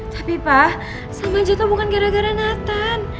tapi pak salma jatuh bukan gara gara nathan